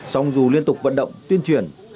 song dù liên tục vận động tuyên truyền